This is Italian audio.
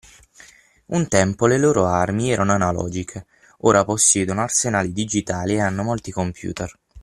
Un tempo le loro armi erano analogiche, ora possiedono arsenali digitali e hanno molti computer.